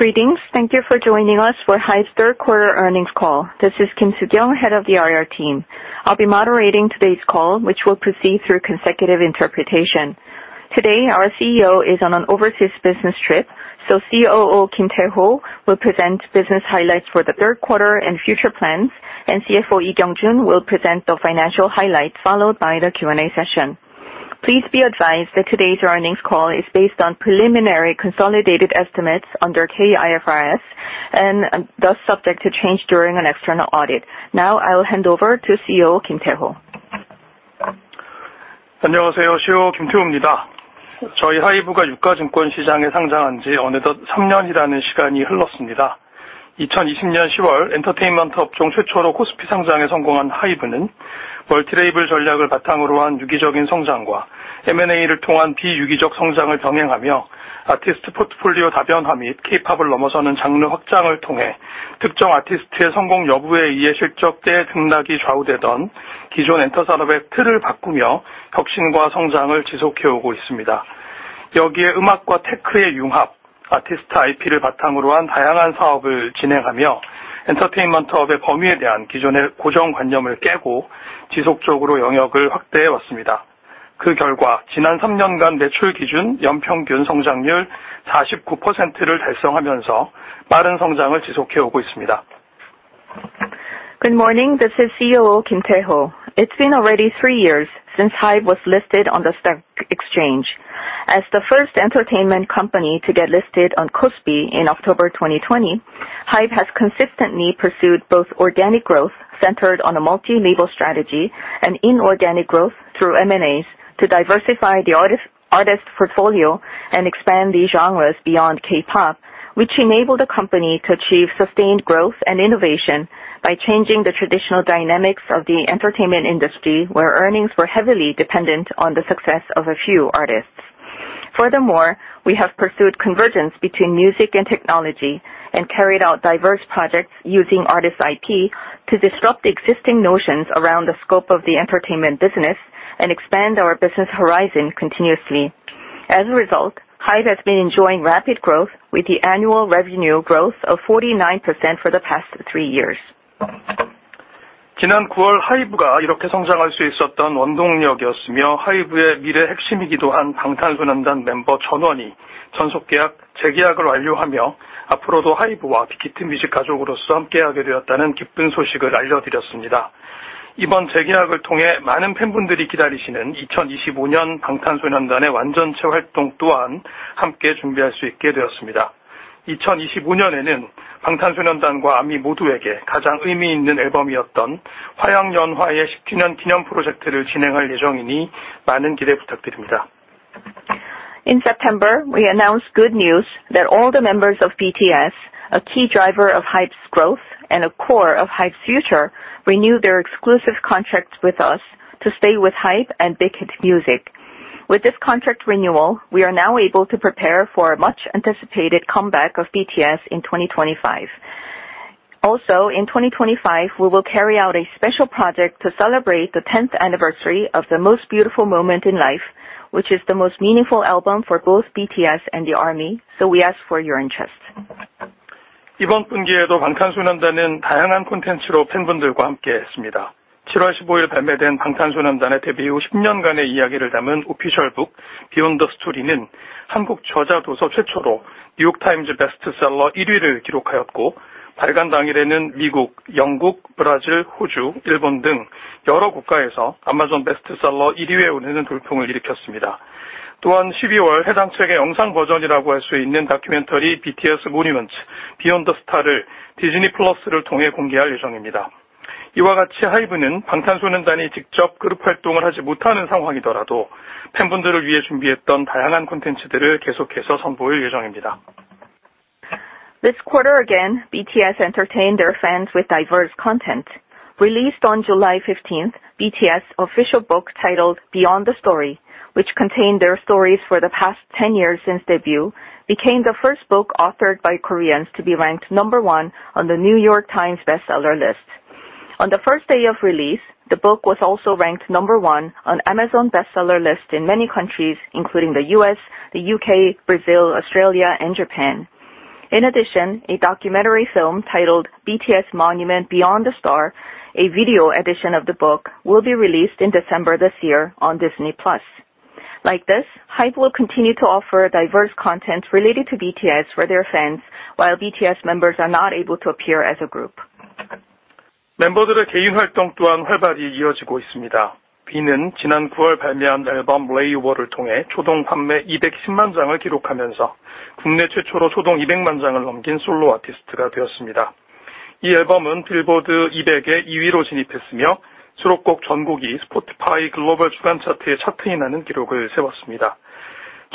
Greetings! Thank you for joining us for HYBE's third quarter earnings call. This is Kim Su-Kyung, Head of the IR team. I'll be moderating today's call, which will proceed through consecutive interpretation. Today, our CEO is on an overseas business trip, so COO Kim Tae-ho will present business highlights for the third quarter and future plans, and CFO Lee Kyung Joon will present the financial highlights, followed by the Q&A session. Please be advised that today's earnings call is based on preliminary consolidated estimates under KIFRS, and thus subject to change during an external audit. Now I will hand over to COO Kim Tae-ho. 안녕하세요. COO 김태호입니다. 저희 하이브가 유가증권 시장에 상장한 지 어느덧 3년이라는 시간이 흘렀습니다. 2020년 10월, 엔터테인먼트 업종 최초로 코스피 상장에 성공한 하이브는 멀티 레이블 전략을 바탕으로 한 유기적인 성장과 M&A를 통한 비유기적 성장을 병행하며, 아티스트 포트폴리오 다변화 및 K-POP을 넘어서는 장르 확장을 통해 특정 아티스트의 성공 여부에 의해 실적 때의 등락이 좌우되던 기존 엔터 산업의 틀을 바꾸며 혁신과 성장을 지속해 오고 있습니다. 여기에 음악과 테크의 융합, 아티스트 IP를 바탕으로 한 다양한 사업을 진행하며, 엔터테인먼트업의 범위에 대한 기존의 고정관념을 깨고 지속적으로 영역을 확대해 왔습니다. 그 결과, 지난 3년간 매출 기준 연평균 성장률 49%를 달성하면서 빠른 성장을 지속해 오고 있습니다. Good morning, this is COO Kim Tae-ho. It's been already three years since HYBE was listed on the stock exchange. As the first entertainment company to get listed on KOSPI in October 2020, HYBE has consistently pursued both organic growth centered on a multi-label strategy and inorganic growth through M&As, to diversify the artist portfolio and expand these genres beyond K-pop, which enabled the company to achieve sustained growth and innovation by changing the traditional dynamics of the entertainment industry, where earnings were heavily dependent on the success of a few artists. Furthermore, we have pursued convergence between music and technology, and carried out diverse projects using artist IP to disrupt existing notions around the scope of the entertainment business and expand our business horizon continuously. As a result, HYBE has been enjoying rapid growth with the annual revenue growth of 49% for the past three years. 지난 9월, 하이브가 이렇게 성장할 수 있었던 원동력이었으며, 하이브의 미래 핵심이기도 한 방탄소년단 멤버 전원이 전속계약 재계약을 완료하며, 앞으로도 하이브와 빅히트 뮤직 가족으로서 함께 하게 되었다는 기쁜 소식을 알려드렸습니다. 이번 재계약을 통해 많은 팬분들이 기다리시는 2025년 방탄소년단의 완전체 활동 또한 함께 준비할 수 있게 되었습니다. 2025년에는 방탄소년단과 아미 모두에게 가장 의미 있는 앨범이었던 화양연화의 10주년 기념 프로젝트를 진행할 예정이니 많은 기대 부탁드립니다. In September, we announced good news that all the members of BTS, a key driver of HYBE's growth and a core of HYBE's future, renew their exclusive contracts with us to stay with HYBE and Big Hit Music. With this contract renewal, we are now able to prepare for a much-anticipated comeback of BTS in 2025. Also, in 2025, we will carry out a special project to celebrate the tenth anniversary of The Most Beautiful Moment in Life, which is the most meaningful album for both BTS and the Army. So we ask for your interest. 이번 분기에도 방탄소년단은 다양한 콘텐츠로 팬분들과 함께했습니다. 7월 15일 발매된 방탄소년단의 데뷔 후 10년간의 이야기를 담은 오피셜 북, Beyond the Story는 한국 저자 도서 최초로 뉴욕타임즈 베스트셀러 1위를 기록하였고, 발간 당일에는 미국, 영국, 브라질, 호주, 일본 등 여러 국가에서 아마존 베스트셀러 1위에 오르는 돌풍을 일으켰습니다. 또한, 12월 해당 책의 영상 버전이라고 할수 있는 다큐멘터리 BTS Monuments: Beyond the Star을 디즈니 플러스를 통해 공개할 예정입니다. 이와 같이 하이브는 방탄소년단이 직접 그룹 활동을 하지 못하는 상황이더라도 팬분들을 위해 준비했던 다양한 콘텐츠들을 계속해서 선보일 예정입니다. This quarter, again, BTS entertained their fans with diverse content. Released on July 15th, BTS official book, titled Beyond the Story, which contained their stories for the past ten years since debut, became the first book authored by Koreans to be ranked number one on the New York Times best seller list. On the first day of release, the book was also ranked number one on Amazon Best Seller list in many countries, including the U.S., the U.K., Brazil, Australia, and Japan. In addition, a documentary film titled BTS Monument: Beyond the Star, a video edition of the book, will be released in December this year on Disney Plus. Like this, HYBE will continue to offer diverse content related to BTS for their fans, while BTS members are not able to appear as a group. 멤버들의 개인 활동 또한 활발히 이어지고 있습니다. 뷔는 지난 9월 발매한 앨범 Layover를 통해 초동 판매 210만 장을 기록하면서 국내 최초로 초동 200만 장을 넘긴 솔로 아티스트가 되었습니다. 이 앨범은 빌보드 200에 2위로 진입했으며, 수록곡 전곡이 스포티파이 글로벌 주간 차트에 차트인하는 기록을 세웠습니다.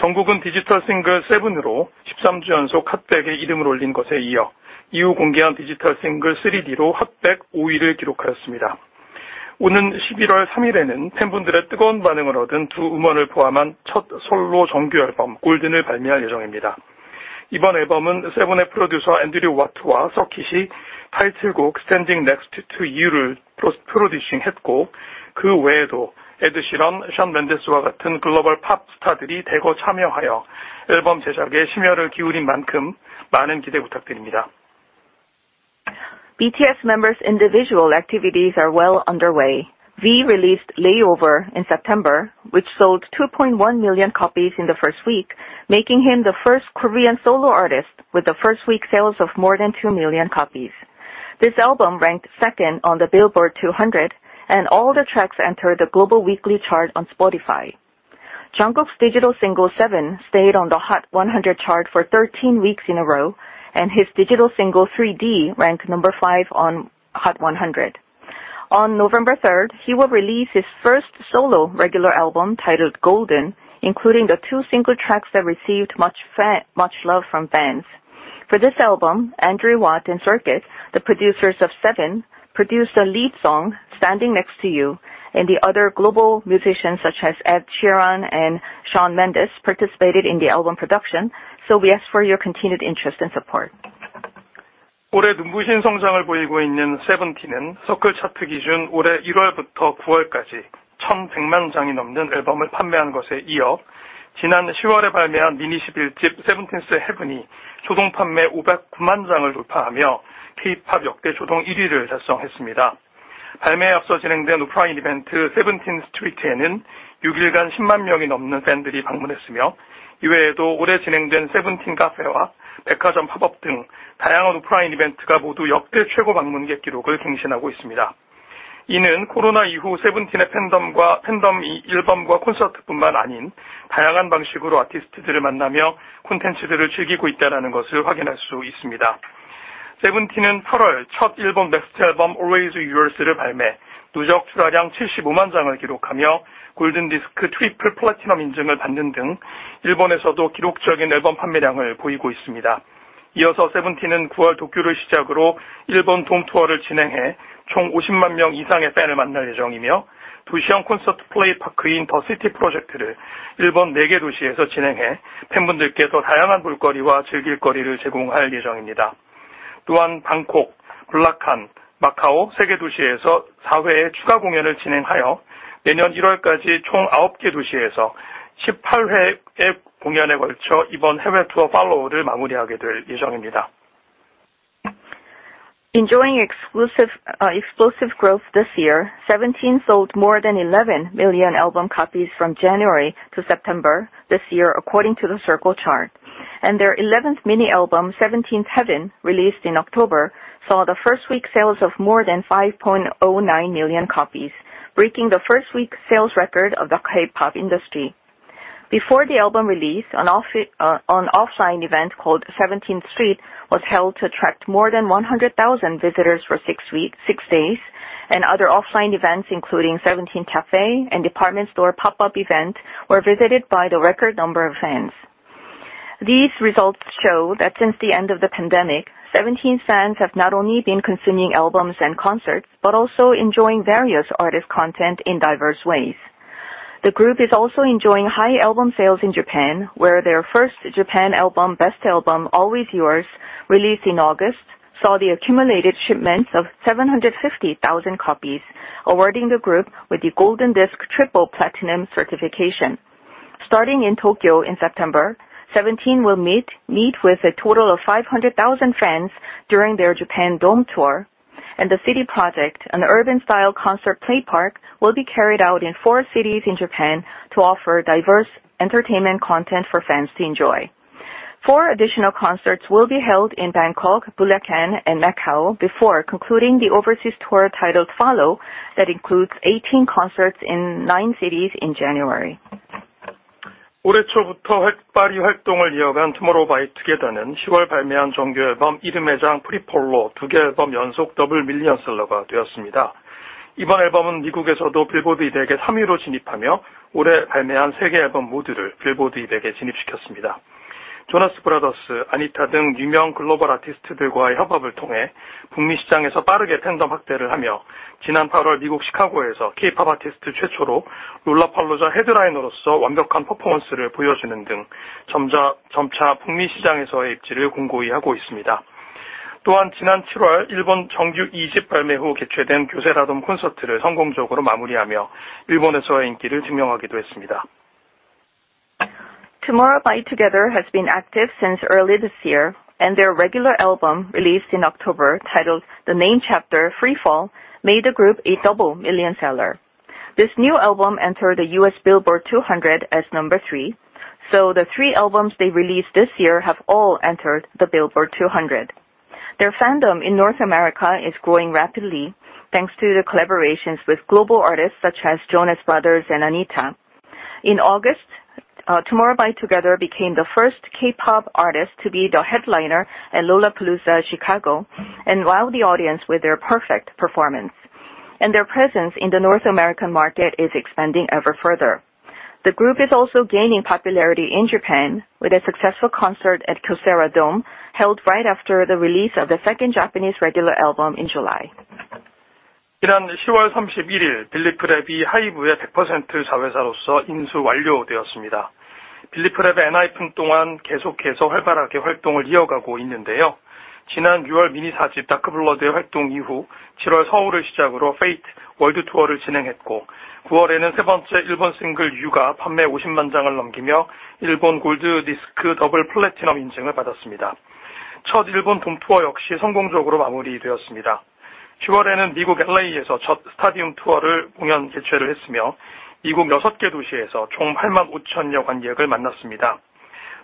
정국은 디지털 싱글 Seven으로 13주 연속 핫 100에 이름을 올린 것에 이어, 이후 공개한 디지털 싱글 3D로 핫100 5위를 기록하였습니다. 오는 11월 3일에는 팬분들의 뜨거운 반응을 얻은 두 음원을 포함한 첫 솔로 정규 앨범, Golden을 발매할 예정입니다. 이번 앨범은 Seven의 프로듀서, Andrew Watt와 Cirkut이 타이틀곡 Standing Next to You를 프로듀싱했습니다. 그 외에도 Ed Sheeran, Shawn Mendes와 같은 글로벌 팝스타들이 대거 참여하여 앨범 제작에 심혈을 기울인 만큼 많은 기대 부탁드립니다. BTS members' individual activities are well underway. V released Layover in September, which sold 2.1 million copies in the first week, making him the first Korean solo artist with the first week sales of more than 2 million copies. This album ranked second on the Billboard 200, and all the tracks entered the global weekly chart on Spotify. Jungkook's digital single, Seven, stayed on the Hot 100 chart for 13 weeks in a row, and his digital single, 3D, ranked number five on Hot 100. On November 3rd, he will release his first solo regular album titled Golden, including the two single tracks that received much love from fans. For this album, Andrew Watt and Cirkut, the producers of Seven, produced a lead song, Standing Next to You, and the other global musicians, such as Ed Sheeran and Shawn Mendes, participated in the album production. So we ask for your continued interest and support. 올해 눈부신 성장을 보이고 있는 Seventeen은 Circle 차트 기준, 올해 1월부터 9월까지 1,100만 장이 넘는 앨범을 판매한 것에 이어, 지난 10월에 발매한 미니 11집 Seventeen's Heaven이 초동 판매 509만 장을 돌파하며 K-pop 역대 초동 1위를 달성했습니다. 발매에 앞서 진행된 오프라인 이벤트, Seventeen Street에는 6일간 10만 명이 넘는 팬들이 방문했으며, 이외에도 올해 진행된 Seventeen 카페와 백화점 팝업 등 다양한 오프라인 이벤트가 모두 역대 최고 방문객 기록을 갱신하고 있습니다. 이는 코로나 이후 Seventeen의 팬덤이 앨범과 콘서트뿐만 아닌 다양한 방식으로 아티스트들을 만나며 콘텐츠들을 즐기고 있다는 것을 확인할 수 있습니다. Seventeen은 8월 첫 일본 베스트 앨범, Always Yours를 발매, 누적 출하량 75만 장을 기록하며 골든디스크 트리플 플래티넘 인증을 받는 등 일본에서도 기록적인 앨범 판매량을 보이고 있습니다. 이어서 Seventeen은 9월 도쿄를 시작으로 일본 돔 투어를 진행해 총 50만 명 이상의 팬을 만날 예정이며, 도시형 콘서트 플레이 파크인 더 시티 프로젝트를 일본 4개 도시에서 진행해 팬분들께 더 다양한 볼거리와 즐길거리를 제공할 예정입니다. 또한 방콕, 불라칸, 마카오 3개 도시에서 사회의 추가 공연을 진행하여, 내년 1월까지 총 9개 도시에서 18회의 공연에 걸쳐 이번 해외 투어 Follow를 마무리하게 될 예정입니다. Enjoying exclusive explosive growth this year, Seventeen sold more than eleven million album copies from January to September this year, according to the Circle Chart. Their eleventh mini album, Seventeen's Heaven, released in October, saw the first week sales of more than 5.09 million copies, breaking the first week sales record of the K-pop industry. Before the album release, an offline event called Seventeen Street was held to attract more than one hundred thousand visitors for six weeks, six days, and other offline events, including Seventeen Cafe and department store pop-up event, were visited by the record number of fans. These results show that since the end of the pandemic, Seventeen fans have not only been consuming albums and concerts, but also enjoying various artist content in diverse ways. The group is also enjoying high album sales in Japan, where their first Japan album, best album, Always Yours, released in August, saw the accumulated shipments of seven hundred fifty thousand copies, awarding the group with the Golden Disc Triple Platinum Certification. Starting in Tokyo in September, Seventeen will meet with a total of five hundred thousand fans during their Japan Dome tour, and the City Project, an urban style concert play park, will be carried out in four cities in Japan to offer diverse entertainment content for fans to enjoy. Four additional concerts will be held in Bangkok, Bulacan, and Macau before concluding the overseas tour, titled Follow, that includes eighteen concerts in nine cities in January. 올해 초부터 활발히 활동을 이어간 Tomorrow by Together는 10월 발매한 정규 앨범 '이름의 장: Freefall'로 두개 앨범 연속 더블 밀리언셀러가 되었습니다. 이번 앨범은 미국에서도 빌보드 200에 3위로 진입하며, 올해 발매한 세개 앨범 모두를 빌보드 200에 진입시켰습니다. Jonas Brothers, Anitta 등 유명 글로벌 아티스트들과의 협업을 통해 북미 시장에서 빠르게 팬덤 확대를 하며, 지난 8월 미국 시카고에서 K-pop 아티스트 최초로 Lollapalooza 헤드라이너로서 완벽한 퍼포먼스를 보여주는 등 점차 북미 시장에서의 입지를 공고히 하고 있습니다. 또한 지난 7월 일본 정규 2집 발매 후 개최된 교세라 돔 콘서트를 성공적으로 마무리하며, 일본에서의 인기를 증명하기도 했습니다. Tomorrow by Together has been active since early this year, and their regular album, released in October, titled The Name Chapter: Free Fall, made the group a double million seller. This new album entered the US Billboard 200 as number three, so the three albums they released this year have all entered the Billboard 200. Their fandom in North America is growing rapidly, thanks to the collaborations with global artists such as Jonas Brothers and Anitta. In August, Tomorrow by Together became the first K-pop artist to be the headliner at Lollapalooza, Chicago, and wowed the audience with their perfect performance, and their presence in the North American market is expanding ever further. The group is also gaining popularity in Japan, with a successful concert at Kyocera Dome, held right after the release of the second Japanese regular album in July. 지난 10월 31일, 빌리프랩이 하이브의 100% 자회사로서 인수 완료되었습니다. 빌리프랩 엔하이픈 또한 계속해서 활발하게 활동을 이어가고 있는데요. 지난 6월, 미니 4집 다크 블러드의 활동 이후, 7월 서울을 시작으로 페이트 월드투어를 진행했고, 9월에는 세 번째 일본 싱글 유 판매 50만 장을 넘기며 일본 골드 디스크 더블 플래티넘 인증을 받았습니다. 첫 일본 돔 투어 역시 성공적으로 마무리되었습니다. 10월에는 미국 LA에서 첫 스타디움 투어 공연을 개최했으며, 미국 6개 도시에서 총 8만 5천여 관객을 만났습니다.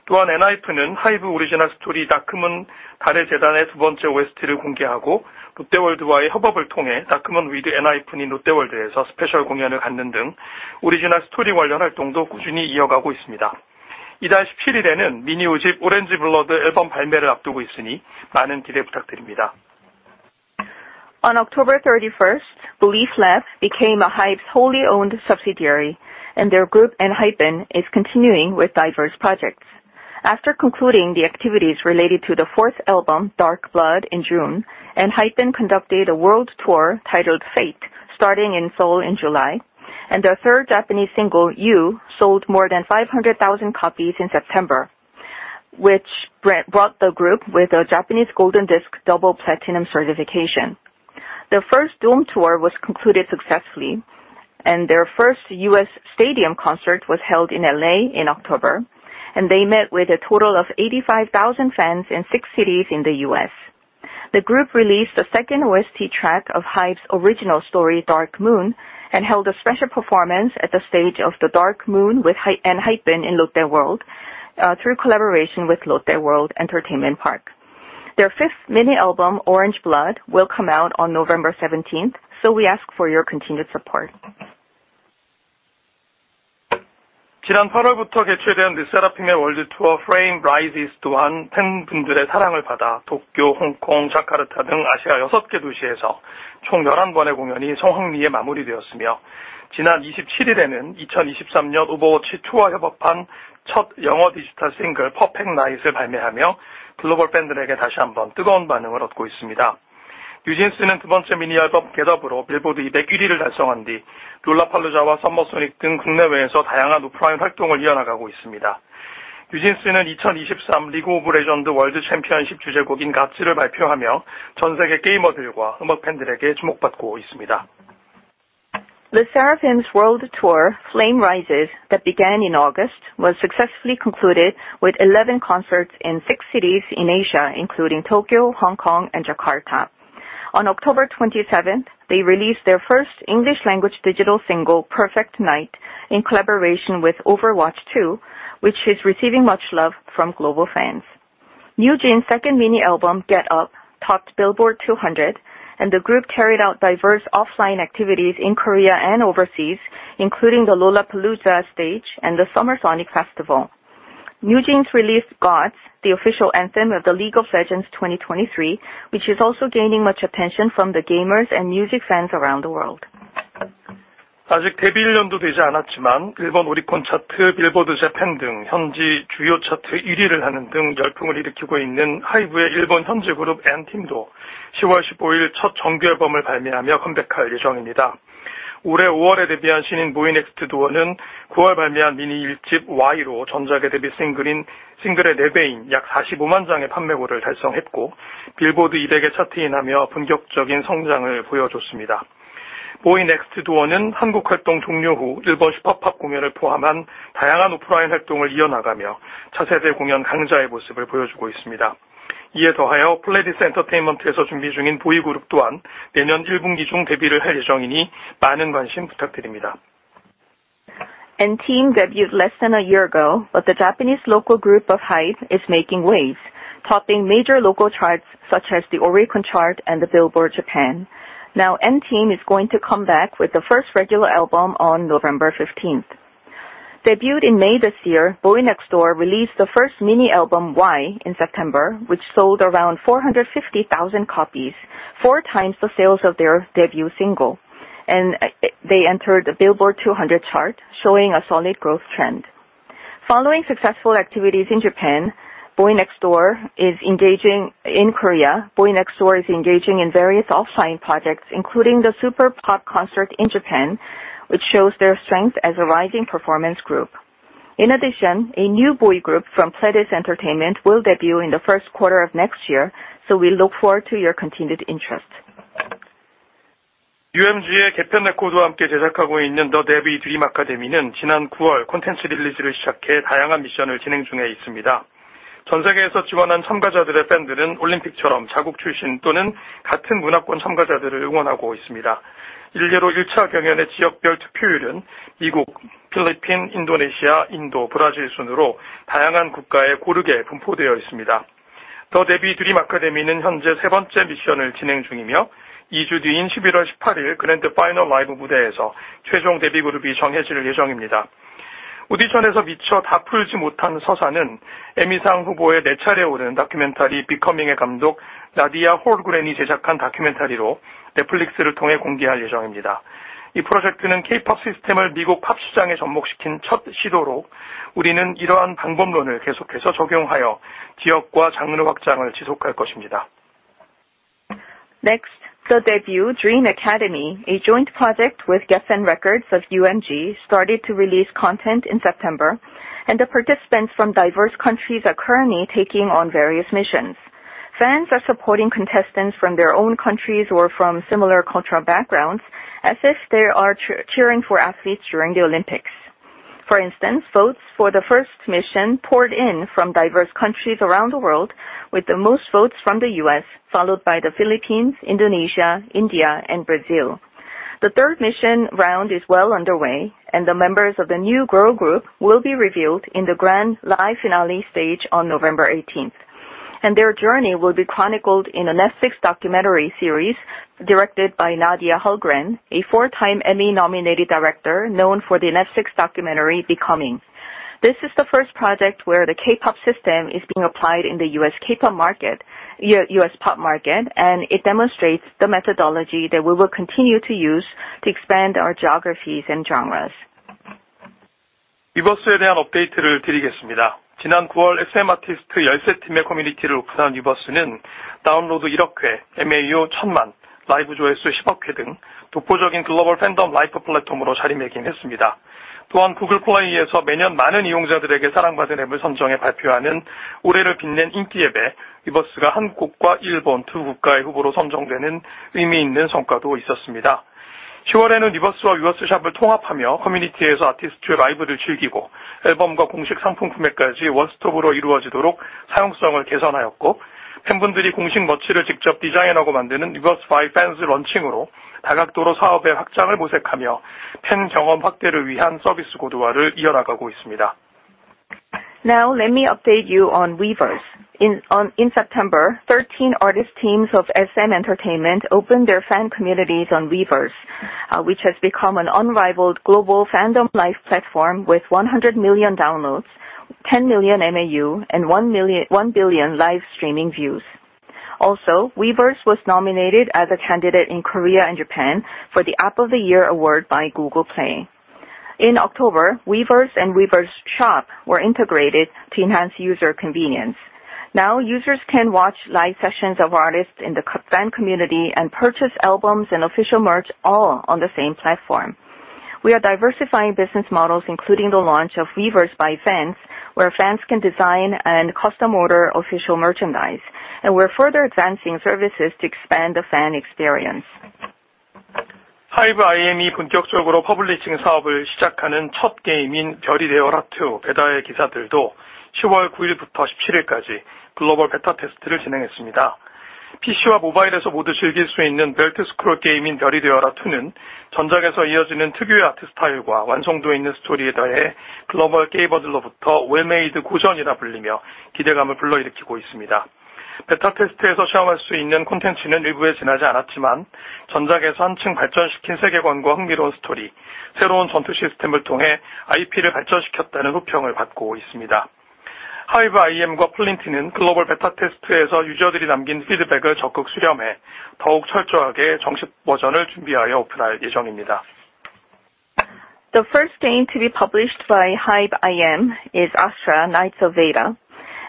또한, 엔하이픈은 하이브 오리지널 스토리 다크문: 달의 제단의 두 번째 OST를 공개하고, 롯데월드와의 협업을 통해 다크문 위드 엔하이픈 인 롯데월드에서 스페셜 공연을 갖는 등 오리지널 스토리 관련 활동도 꾸준히 이어가고 있습니다. 이달 17일에는 미니 5집 오렌지 블러드 앨범 발매를 앞두고 있으니 많은 기대 부탁드립니다. On October 31st, Belief Lab became a HYBE's wholly-owned subsidiary, and their group ENHYPEN is continuing with diverse projects. After concluding the activities related to the fourth album, Dark Blood, in June, ENHYPEN conducted a world tour titled Fate, starting in Seoul in July, and their third Japanese single, You, sold more than 500,000 copies in September, which brought the group a Japanese golden disc, double platinum certification. Their first dome tour was concluded successfully, and their first US stadium concert was held in LA in October, and they met with a total of 85,000 fans in six cities in the US. The group released a second OST track of HYBE's original story, Dark Moon, and held a special performance at the stage of the Dark Moon with ENHYPEN in Lotte World through collaboration with Lotte World Entertainment Park. Their fifth mini album, Orange Blood, will come out on November 17th, so we ask for your continued support. 지난 8월부터 개최된 르세라핌의 월드투어 FEARNOT ACROSS는 팬분들의 사랑을 받아 도쿄, 홍콩, 자카르타 등 아시아 6개 도시에서 총 11번의 공연이 성황리에 마무리되었으며, 지난 27일에는 2023년 오버워치와 협업한 첫 영어 디지털 싱글 Perfect Night을 발매하며 글로벌 팬들에게 다시 한번 뜨거운 반응을 얻고 있습니다. 뉴진스는 두 번째 미니앨범 Get Up으로 빌보드 200 위를 달성한 뒤 롤라팔루자와 섬머소닉 등 국내외에서 다양한 오프라인 활동을 이어나가고 있습니다. 뉴진스는 2023 리그 오브 레전드 월드 챔피언십 주제곡인 Gods를 발표하며 전 세계 게이머들과 음악 팬들에게 주목받고 있습니다. Le Sserafim's world tour, Flame Rises, that began in August, was successfully concluded with eleven concerts in six cities in Asia, including Tokyo, Hong Kong and Jakarta. On October 27th, they released their first English language digital single, Perfect Night, in collaboration with Overwatch 2, which is receiving much love from global fans. NewJeans' second mini album, Get Up, topped Billboard 200, and the group carried out diverse offline activities in Korea and overseas, including the Lollapalooza stage and the Summer Sonic Festival. NewJeans released Gods, the official anthem of the League of Legends 2023, which is also gaining much attention from the gamers and music fans around the world. 아직 데뷔 1년도 되지 않았지만, 일본 오리콘 차트, 빌보드 재팬 등 현지 주요 차트 1위를 하는 등 열풍을 일으키고 있는 하이브의 일본 현지 그룹 &TEAM도 10월 15일, 첫 정규 앨범을 발매하며 컴백할 예정입니다. 올해 5월에 데뷔한 신인 BOYNEXTDOOR는 9월 발매한 미니 1집 WHY로 전작의 데뷔 싱글의 4배인 약 45만 장의 판매고를 달성했고, 빌보드 200에 차트인하며 본격적인 성장을 보여줬습니다. BOYNEXTDOOR는 한국 활동 종료 후 일본 슈퍼팝 공연을 포함한 다양한 오프라인 활동을 이어나가며 차세대 공연 강자의 모습을 보여주고 있습니다. 이에 더하여 플레디스 엔터테인먼트에서 준비 중인 보이그룹 또한 내년 1분기 중 데뷔를 할 예정이니 많은 관심 부탁드립니다. N Team debuted less than a year ago, but the Japanese local group of HYBE is making waves, topping major local charts such as the Oricon Chart and the Billboard Japan. Now, N Team is going to come back with the first regular album on November 15th. Debuted in May this year, Boy Next Door released the first mini album, Why, in September, which sold around 450,000 copies, four times the sales of their debut single. They entered the Billboard 200 chart, showing a solid growth trend. Following successful activities in Japan, Boy Next Door is engaging in Korea in various offline projects, including the Super Pop concert in Japan, which shows their strength as a rising performance group. In addition, a new boy group from Pledis Entertainment will debut in the first quarter of next year, so we look forward to your continued interest. UMG의 게펜 레코드와 함께 제작하고 있는 더 데뷔 드림 아카데미는 지난 9월 콘텐츠 릴리즈를 시작해 다양한 미션을 진행 중에 있습니다. 전 세계에서 지원한 참가자들의 팬들은 올림픽처럼 자국 출신 또는 같은 문화권 참가자들을 응원하고 있습니다. 일례로 1차 경연의 지역별 투표율은 미국, 필리핀, 인도네시아, 인도, 브라질 순으로 다양한 국가에 고르게 분포되어 있습니다. 더 데뷔 드림 아카데미는 현재 세 번째 미션을 진행 중이며, 2주 뒤인 11월 18일 그랜드 파이널 라이브 무대에서 최종 데뷔 그룹이 정해질 예정입니다. 오디션에서 미처 다 풀지 못한 서사는 에미상 후보에 4차례 오르는 다큐멘터리 비커밍의 감독, 나디아 홀그랜이 제작한 다큐멘터리로 넷플릭스를 통해 공개할 예정입니다. 이 프로젝트는 K-POP 시스템을 미국 팝 시장에 접목시킨 첫 시도로, 우리는 이러한 방법론을 계속해서 적용하여 지역과 장르의 확장을 지속할 것입니다. Next, the debut Dream Academy, a joint project with Geffen Records of UMG, started to release content in September, and the participants from diverse countries are currently taking on various missions. Fans are supporting contestants from their own countries or from similar cultural backgrounds, as if they are cheering for athletes during the Olympics. For instance, votes for the first mission poured in from diverse countries around the world, with the most votes from the US, followed by the Philippines, Indonesia, India and Brazil. The third mission round is well underway, and the members of the new girl group will be revealed in the grand live finale stage on November 18th. Their journey will be chronicled in a Netflix documentary series directed by Nadia Hallgren, a four-time Emmy-nominated director, known for the Netflix documentary, Becoming. This is the first project where the K-pop system is being applied in the US pop market, and it demonstrates the methodology that we will continue to use to expand our geographies and genres. Now, let me update you on Weverse. In September, thirteen artist teams of SM Entertainment opened their fan communities on Weverse, which has become an unrivaled global fandom life platform with 100 million downloads, 10 million MAU, and 1 billion live streaming views. Also, Weverse was nominated as a candidate in Korea and Japan for the App of the Year award by Google Play. In October, Weverse and Weverse Shop were integrated to enhance user convenience. Now, users can watch live sessions of artists in the fan community and purchase albums and official merch all on the same platform. We are diversifying business models, including the launch of Weverse by fans, where fans can design and custom order official merchandise, and we're further advancing services to expand the fan experience. The first game to be published by Hybe IM is Astra: Knights of Veda,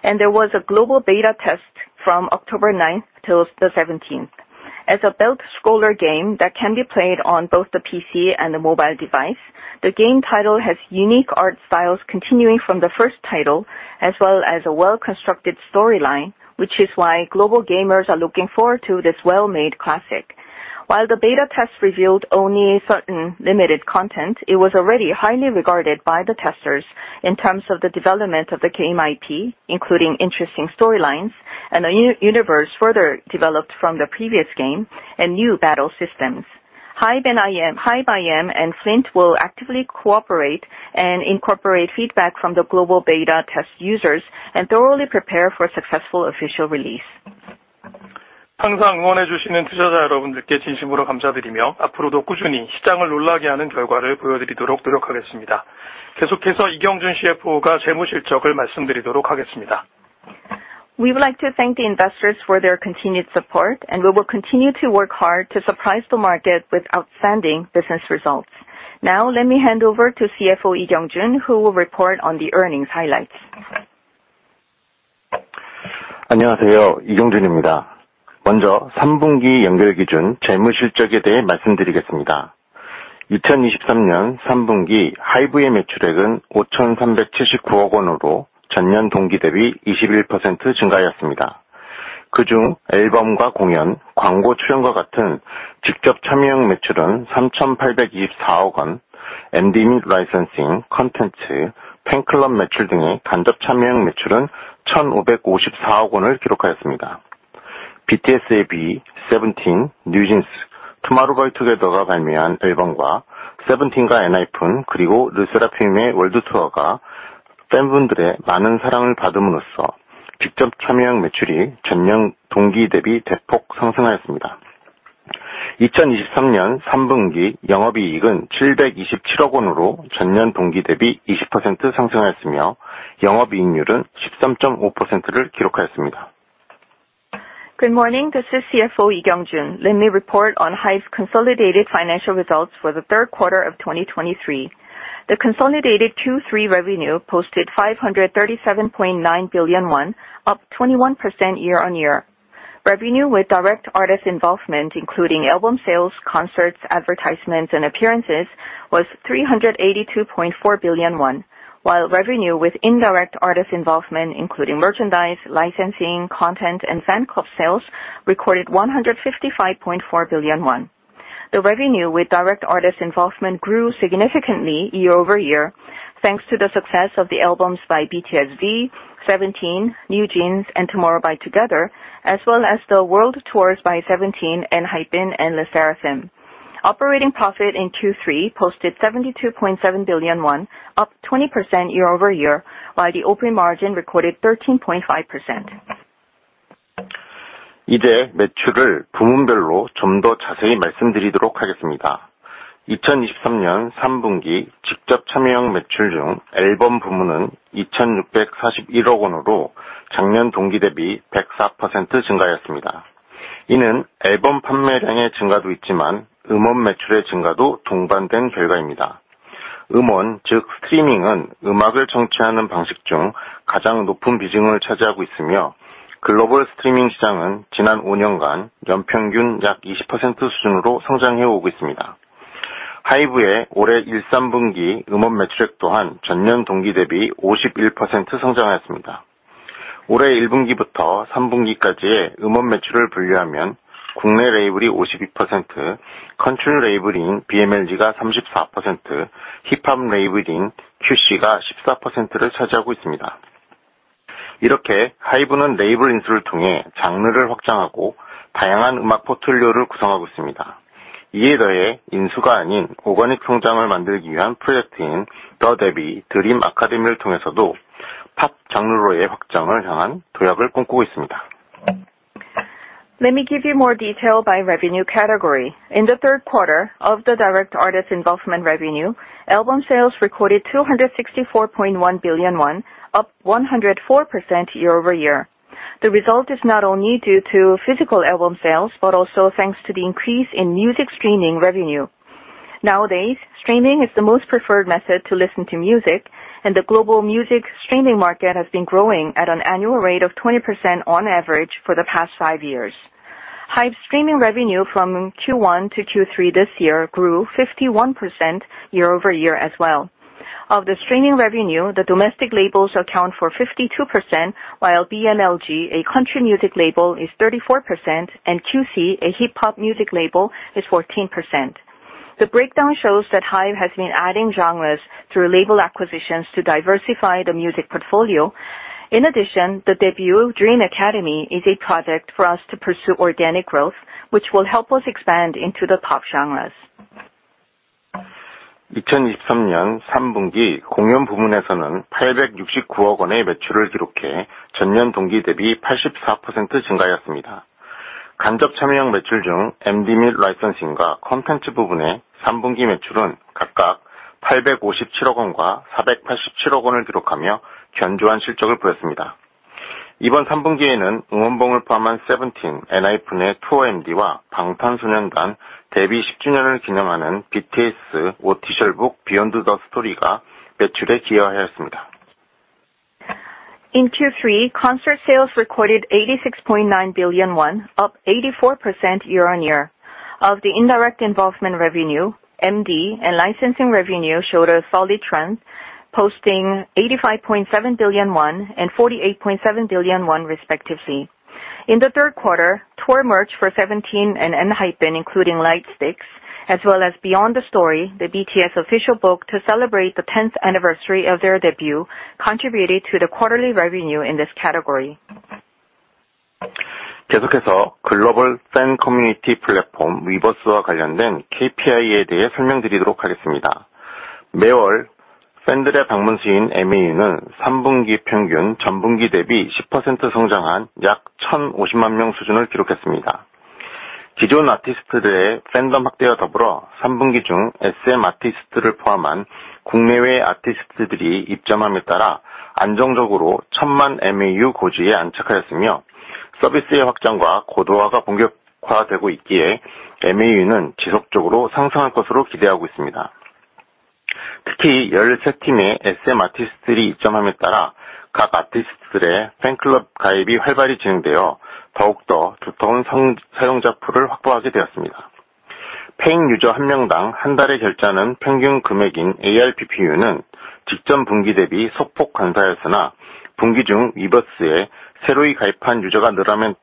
and there was a global beta test from October 9th till the 17th. As a belt scroller game that can be played on both the PC and the mobile device, the game title has unique art styles continuing from the first title, as well as a well-constructed storyline, which is why global gamers are looking forward to this well-made classic. While the beta test revealed only certain limited content, it was already highly regarded by the testers in terms of the development of the game IP, including interesting storylines and a universe further developed from the previous game and new battle systems. Hybe IM and Flint will actively cooperate and incorporate feedback from the global beta test users and thoroughly prepare for a successful official release. We would like to thank the investors for their continued support, and we will continue to work hard to surprise the market with outstanding business results. Now, let me hand over to CFO Lee Kyung Jun, who will report on the earnings highlights. Hello, this is Lee Kyung Jun. First, I will talk about the third quarter consolidated financial results. In the third quarter of 2023, HYBE's revenue was ₩537.9 billion, an increase of 21% compared to the same period of the previous year. Of this, direct participation revenue, such as albums, performances, and advertising appearances, was ₩382.4 billion, and indirect participation revenue, such as MD licensing, content, and fan club revenue, was ₩155.4 billion. BTS V, Seventeen, NewJeans, Tomorrow X Together's albums, and Seventeen, Enhypen, and Le Sserafim's world tours were well received by fans, resulting in a significant increase in direct participation revenue compared to the same period of the previous year. Operating profit in the third quarter of 2023 was ₩72.7 billion, an increase of 20% compared to the same period of the previous year, and the operating profit margin was 13.5%. Good morning, this is CFO Lee Kyung Jun. Let me report on HYBE's consolidated financial results for the third quarter of 2023. The consolidated Q3 revenue posted ₩537.9 billion, up 21% year-on-year. Revenue with direct artist involvement, including album sales, concerts, advertisements, and appearances, was ₩382.4 billion, while revenue with indirect artist involvement, including merchandise, licensing, content, and fan club sales, recorded ₩155.4 billion. The revenue with direct artist involvement grew significantly year-over-year, thanks to the success of the albums by BTS V, Seventeen, NewJeans, and Tomorrow X Together, as well as the world tours by Seventeen, ENHYPEN, and LE SSERAFIM. Operating profit in Q3 posted ₩72.7 billion, up 20% year-over-year, while the operating margin recorded 13.5%. 이제 매출을 부문별로 좀더 자세히 말씀드리도록 하겠습니다. 2023년 3분기 직접 참여형 매출 중 앨범 부문은 2,641억원으로 작년 동기 대비 104% 증가하였습니다. 이는 앨범 판매량의 증가도 있지만, 음원 매출의 증가도 동반된 결과입니다. 음원, 즉 스트리밍은 음악을 청취하는 방식 중 가장 높은 비중을 차지하고 있으며, 글로벌 스트리밍 시장은 지난 5년간 연평균 약 20% 수준으로 성장해 오고 있습니다. 하이브의 올해 1-3분기 음원 매출액 또한 전년 동기 대비 51% 성장하였습니다. 올해 1분기부터 3분기까지의 음원 매출을 분류하면 국내 레이블이 52%, 컨트리 레이블인 BML가 34%, 힙합 레이블인 QC가 14%를 차지하고 있습니다. 이렇게 하이브는 레이블 인수를 통해 장르를 확장하고 다양한 음악 포트폴리오를 구성하고 있습니다. 이에 더해 인수가 아닌 오가닉 성장을 만들기 위한 프로젝트인 더 데뷔 드림 아카데미를 통해서도 팝 장르로의 확장을 향한 도약을 꿈꾸고 있습니다. Let me give you more detail by revenue category. In the third quarter of the direct artist involvement revenue, album sales recorded ₩264.1 billion, up 104% year-over-year. The result is not only due to physical album sales, but also thanks to the increase in music streaming revenue. Nowadays, streaming is the most preferred method to listen to music, and the global music streaming market has been growing at an annual rate of 20% on average for the past five years. Hive streaming revenue from Q1 to Q3 this year grew 51% year-over-year as well. Of the streaming revenue, the domestic labels account for 52%, while BMLG, a country music label, is 34% and QC, a hip-hop music label, is 14%. The breakdown shows that Hive has been adding genres through label acquisitions to diversify the music portfolio. In addition, the Debut Dream Academy is a project for us to pursue organic growth, which will help us expand into the pop genres. 2023년 3분기 공연 부문에서는 869억원의 매출을 기록해 전년 동기 대비 84% 증가하였습니다. 간접 참여형 매출 중 MD 및 라이센싱과 콘텐츠 부문의 3분기 매출은 각각 857억원과 487억원을 기록하며 견조한 실적을 보였습니다. 이번 3분기에는 응원봉을 포함한 세븐틴, 엔하이픈의 투어 MD와 방탄소년단 데뷔 10주년을 기념하는 BTS Official Book: Beyond the Story가 매출에 기여하였습니다. In Q3, concert sales recorded ₩86.9 billion, up 84% year-on-year. Of the indirect involvement revenue, MD and licensing revenue showed a solid trend, posting ₩85.7 billion and ₩48.7 billion, respectively. In the third quarter, tour merch for Seventeen and Enhypen, including light sticks, as well as Beyond the Story, the BTS official book to celebrate the tenth anniversary of their debut, contributed to the quarterly revenue in this category. 계속해서 글로벌 팬 커뮤니티 플랫폼, 위버스와 관련된 KPI에 대해 설명드리도록 하겠습니다. 매월 팬들의 방문 수인 MAU는 3분기 평균 전분기 대비 10% 성장한 약 1,050만 명 수준을 기록했습니다. 기존 아티스트들의 팬덤 확대와 더불어 3분기 중 SM 아티스트를 포함한 국내외 아티스트들이 입점함에 따라 안정적으로 1,000만 MAU 고지에 안착하였으며, 서비스의 확장과 고도화가 본격화되고 있기에 MAU는 지속적으로 상승할 것으로 기대하고 있습니다. 특히 13팀의 SM 아티스트들이 입점함에 따라 각 아티스트들의 팬클럽 가입이 활발히 진행되어 더욱 더 두터운 사용자풀을 확보하게 되었습니다. 페이 유저 한 명당 한 달의 결제하는 평균 금액인 ARPPU는 직전 분기 대비 소폭 감소하였으나, 분기 중 위버스에 새로이 가입한 유저가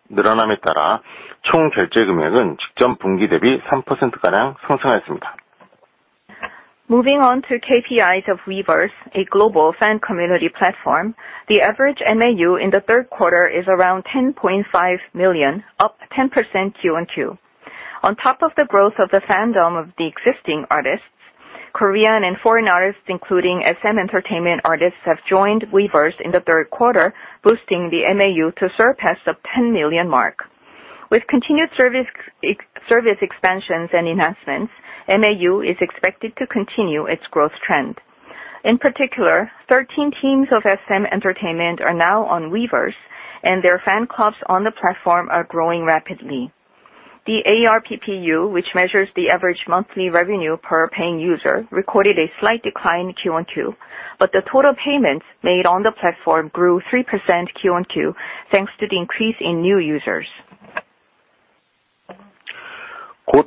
늘어남에 따라 총 결제 금액은 직전 분기 대비 3% 가량 상승하였습니다. Moving on to KPIs of Weverse, a global fan community platform. The average MAU in the third quarter is around 10.5 million, up 10% quarter-over-quarter. On top of the growth of the fandom of the existing artists, Korean and foreign artists, including SM Entertainment artists, have joined Weverse in the third quarter, boosting the MAU to surpass the 10 million mark. With continued service expansions and enhancements, MAU is expected to continue its growth trend. In particular, 13 teams of SM Entertainment are now on Weverse, and their fan clubs on the platform are growing rapidly. The ARPPU, which measures the average monthly revenue per paying user, recorded a slight decline quarter-over-quarter, but the total payments made on the platform grew 3% quarter-over-quarter, thanks to the increase in new users. Foreign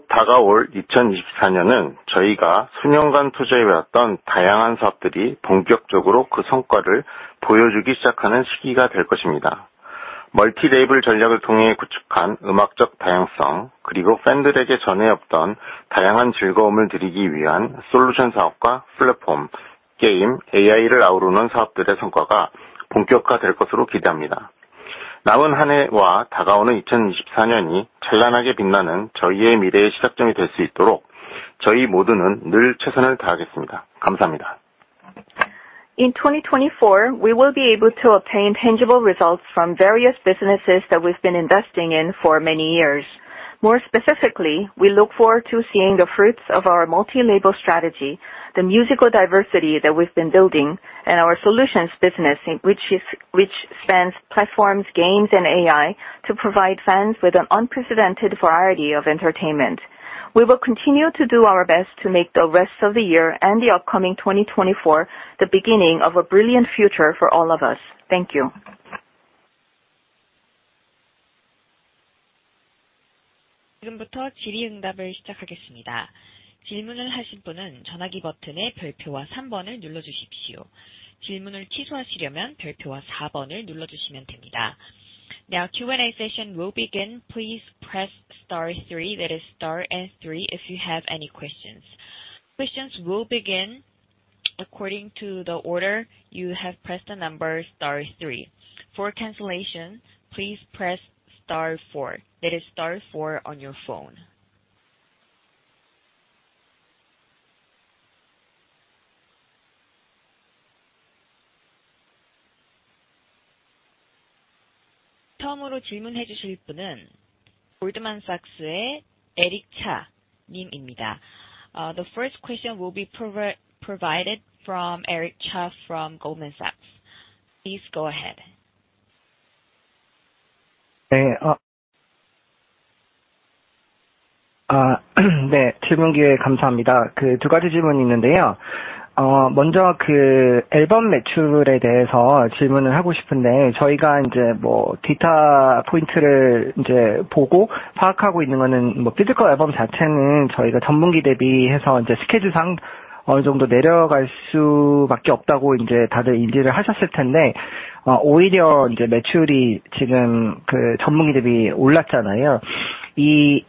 language. In 2024, we will be able to obtain tangible results from various businesses that we've been investing in for many years. More specifically, we look forward to seeing the fruits of our multi-label strategy, the musical diversity that we've been building, and our solutions business, which spans platforms, games, and AI to provide fans with an unprecedented variety of entertainment. We will continue to do our best to make the rest of the year and the upcoming 2024 the beginning of a brilliant future for all of us. Thank you! Now Q&A session will begin. Please press star three, that is star and three if you have any questions. Questions will begin according to the order you have pressed the number star three. For cancellation, please press star four, that is star four on your phone. The first question will be provided from Eric Cha from Goldman Sachs. Please go ahead. Uh, uh, foreign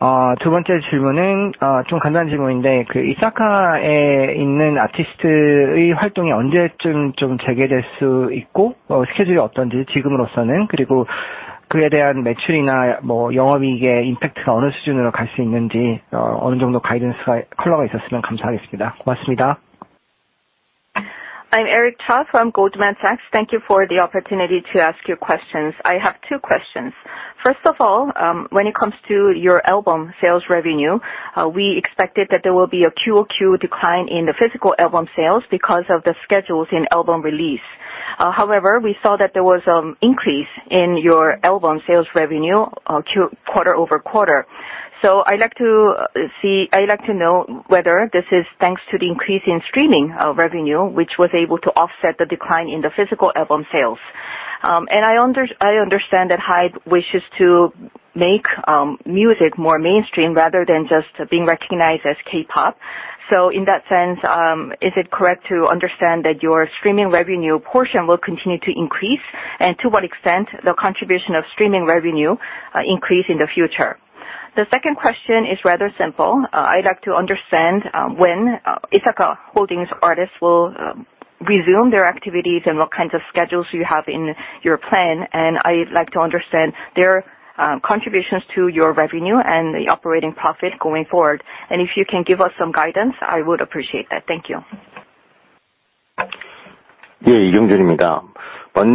language. I'm Eric Cha from Goldman Sachs. Thank you for the opportunity to ask you questions. I have two questions. First of all, when it comes to your album sales revenue, we expected that there will be a quarter-over-quarter decline in the physical album sales because of the schedules in album release. However, we saw that there was an increase in your album sales revenue quarter over quarter. So I'd like to know whether this is thanks to the increase in streaming revenue, which was able to offset the decline in the physical album sales. I understand that Hybe wishes to make music more mainstream rather than just being recognized as K-pop. So in that sense, is it correct to understand that your streaming revenue portion will continue to increase? And to what extent the contribution of streaming revenue increase in the future? The second question is rather simple. I'd like to understand when ITACA Holdings artists will resume their activities, and what kinds of schedules you have in your plan, and I'd like to understand their contributions to your revenue and the operating profit going forward. If you can give us some guidance, I would appreciate that. Thank you. 아,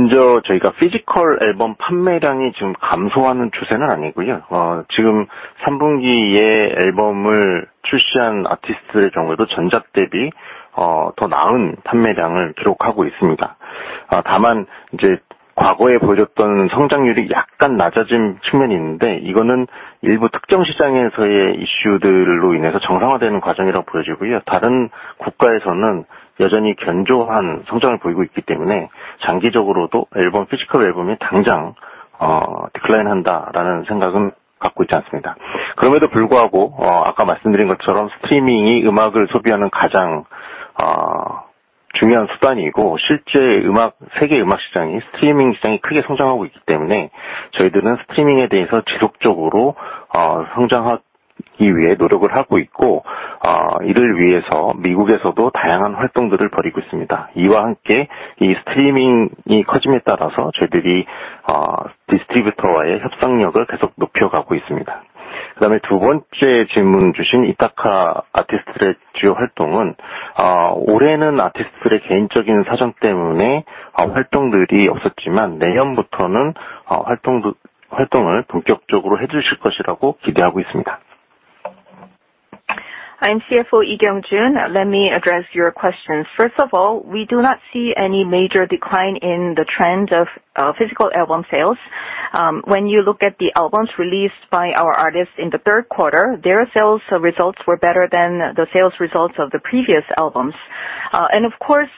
이를 위해서 미국에서도 다양한 활동들을 벌이고 있습니다. 이와 함께 이 스트리밍이 커짐에 따라서 저희들이 디스트리뷰터와의 협상력을 계속 높여 가고 있습니다. 그다음에 두 번째 질문 주신 이타카 아티스트들의 주요 활동은 올해는 아티스트들의 개인적인 사정 때문에 활동들이 없었지만, 내년부터는 활동을 본격적으로 해주실 것이라고 기대하고 있습니다. I'm CFO Lee Kyung Jun. Let me address your questions. First of all, we do not see any major decline in the trend of physical album sales. When you look at the albums released by our artists in the third quarter, their sales results were better than the sales results of the previous albums. Of course,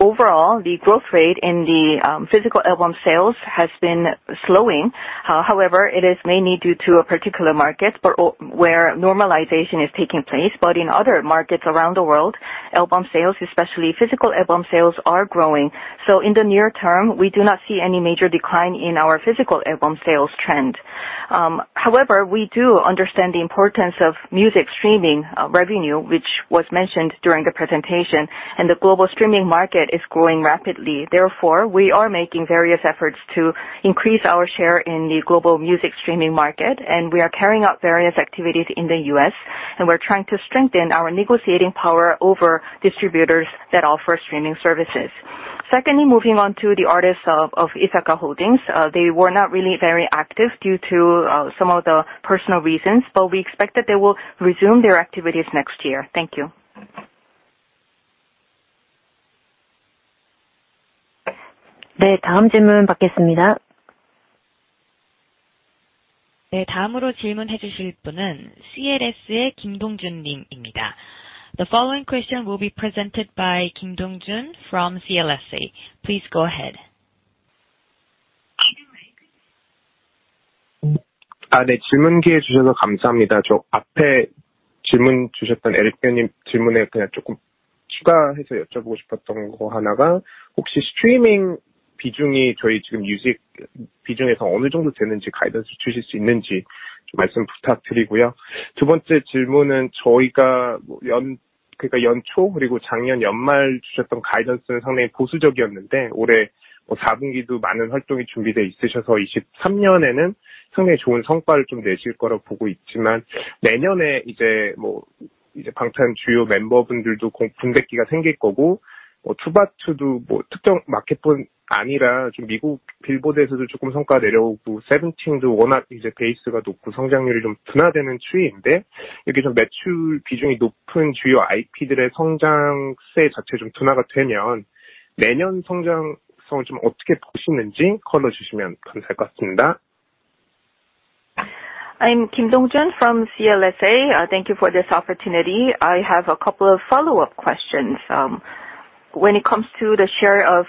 overall, the growth rate in the physical album sales has been slowing. However, it is mainly due to a particular market, but where normalization is taking place. But in other markets around the world, album sales, especially physical album sales, are growing. So in the near term, we do not see any major decline in our physical album sales trend. However, we do understand the importance of music streaming revenue, which was mentioned during the presentation, and the global streaming market is growing rapidly. Therefore, we are making various efforts to increase our share in the global music streaming market, and we are carrying out various activities in the US, and we're trying to strengthen our negotiating power over distributors that offer streaming services. Secondly, moving on to the artists of Ithaka Holdings. They were not really very active due to some of the personal reasons, but we expect that they will resume their activities next year. Thank you. 네, 다음 질문 받겠습니다. 네, 다음으로 질문해주실 분은 CLSA의 김동준 님입니다. The following question will be presented by Kim Dong Jun from CLSA. Please go ahead. 아, 네, 질문 기회 주셔서 감사합니다. 저 앞에 질문 주셨던 에릭 배님 질문에 그냥 조금 추가해서 여쭤보고 싶었던 거 하나가 혹시 스트리밍 비중이 저희 지금 뮤직 비중에서 어느 정도 되는지 가이던스 주실 수 있는지 말씀 부탁드리고요. 두 번째 질문은 저희가 연초 그리고 작년 연말 주셨던 가이던스는 상당히 보수적이었는데, 올해 사분기도 많은 활동이 준비되어 있으셔서 2023년에는 상당히 좋은 성과를 좀 내실 거라 보고 있지만, 내년에 이제 방탄 주요 멤버분들도 군 복무 공백기가 생길 거고, 투모로우바이투게더도 특정 마켓뿐 아니라 좀 미국 빌보드에서도 조금 성과가 내려오고, 세븐틴도 워낙 이제 베이스가 높고 성장률이 좀 둔화되는 추세인데, 이렇게 좀 매출 비중이 높은 주요 IP들의 성장세 자체 좀 둔화가 되면 내년 성장성을 좀 어떻게 보시는지 말씀해 주시면 감사할 것 같습니다. I'm Kim Dong Jun from CLSA. Thank you for this opportunity. I have a couple of follow-up questions. When it comes to the share of